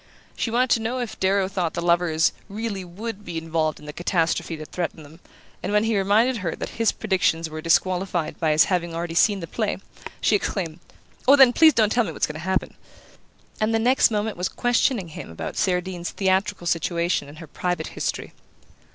She wanted to know if Darrow thought the lovers "really would" be involved in the catastrophe that threatened them, and when he reminded her that his predictions were disqualified by his having already seen the play, she exclaimed: "Oh, then, please don't tell me what's going to happen!" and the next moment was questioning him about Cerdine's theatrical situation and her private history.